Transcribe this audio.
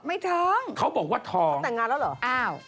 ไม่ท้องเค้าบอกว่าท้องเค้าแต่งงานแล้วเหรอ